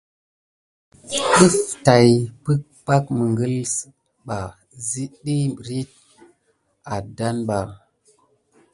Ɗəf tay peɗmekel ɓa sit diy beriti kelena akoudane ba.